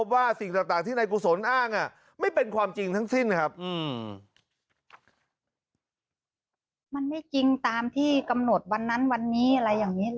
มันไม่จริงตามที่กำหนดวันนั้นวันนี้อะไรอย่างนี้